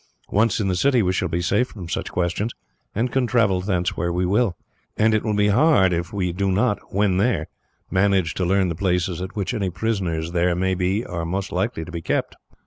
Once in the city, we shall be safe from such questions, and can travel thence where we will; and it will be hard if we do not, when there, manage to learn the places at which any prisoners there may be are most likely to be kept.